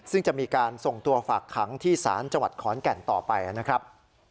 ซึ่งจะมีการส่งตัวฝากขังที่ศาลจังหวัดขอนแก่นต่อไปนะครับ